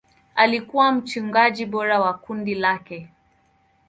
Alikuwa mchungaji bora wa kundi lake.